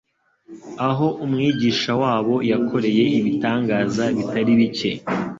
aho Umwigisha wabo yakoreye ibitangaza bitari bike.